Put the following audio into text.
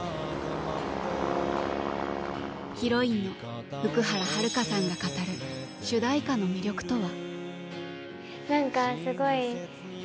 ヒロインの福原遥さんが語る主題歌の魅力とは。